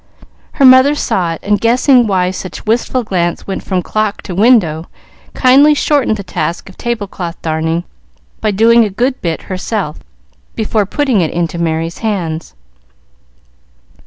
Her mother saw it, and, guessing why such wistful glances went from clock to window, kindly shortened the task of table cloth darning by doing a good bit herself, before putting it into Merry's hands.